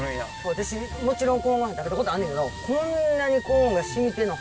私もちろんコーンごはん食べたことあんねんけどこんなにコーンがしみてんの初めて食べた。